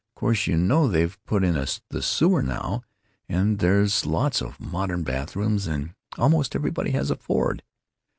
Of course you know they've put in the sewer now, and there's lots of modern bath rooms, and almost everybody has a Ford.